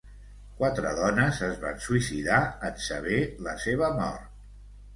Quatre dones es van suïcidar en saber la seva mort.